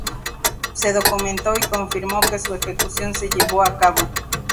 Se documentó y confirmó que su ejecución se llevó a cabo.